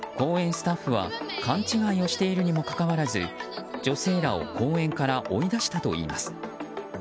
スタッフは勘違いをしているにもかかわらず女性らを公園から追い出したといいます。